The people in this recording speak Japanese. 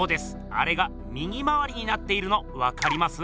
あれが右回りになっているのわかります？